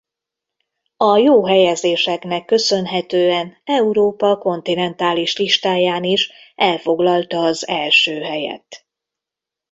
A jó helyezéseknek köszönhetően Európa kontinentális listáján is elfoglalta az első helyet.